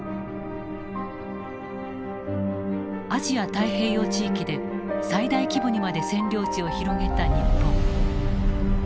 アジア・太平洋地域で最大規模にまで占領地を広げた日本。